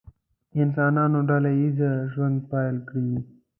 انسانانو ډله ییز ژوند پیل کړی.